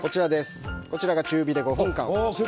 こちらが中火で５分間。